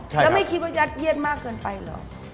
แล้วไม่คิดว่ายัดเยียดมากเกินไปเหรอ